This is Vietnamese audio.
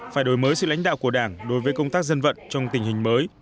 phải đổi mới sự lãnh đạo của đảng đối với công tác dân vận trong tình hình mới